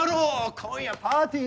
今夜パーティーだぞ！